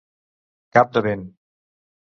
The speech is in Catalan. Cap de vent.